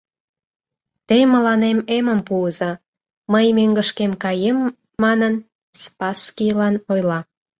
— Те мыланем эмым пуыза, мый мӧҥгышкем каем, манын, Спасскийлан ойла.